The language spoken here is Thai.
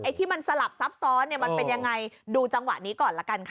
ที่มันสลับซับซ้อนเนี่ยมันเป็นยังไงดูจังหวะนี้ก่อนละกันค่ะ